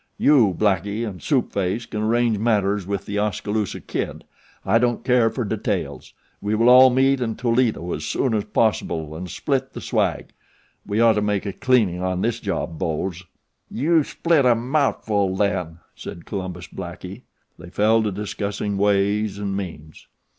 "You, Blackie, and Soup Face can arrange matters with The Oskaloosa Kid. I don't care for details. We will all meet in Toledo as soon as possible and split the swag. We ought to make a cleaning on this job, boes." "You spit a mout'ful then," said Columbus Blackie. They fell to discussing way and means.